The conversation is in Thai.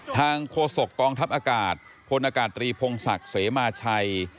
โฆษกองทัพอากาศพลอากาศตรีพงศักดิ์เสมาชัย